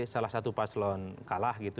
salah satu paslon kalah gitu